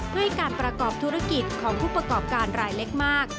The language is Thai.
เพื่อให้การประกอบธุรกิจของผู้ประกอบการรายเล็กมาก